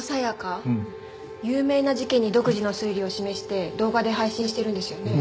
有名な事件に独自の推理を示して動画で配信してるんですよね。